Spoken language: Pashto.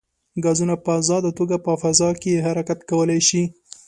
ګازونه په ازاده توګه په فضا کې حرکت کولی شي.